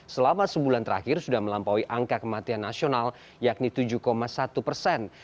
selama sebulan terakhir sudah melampaui angka kematian nasional yakni tujuh satu persen